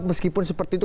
meskipun seperti itu